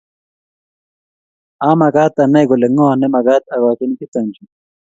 Amakat anai kole ngo nemakat akachi chuto chu